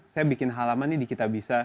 saya bikin halaman nih di kitabisa